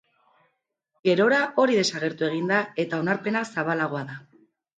Gerora hori desagertu egin da eta onarpena zabalagoa da.